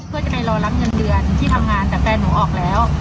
เพื่อจะไปรอรับเงินเดือนที่ทำงานแต่แฟนหนูออกแล้ว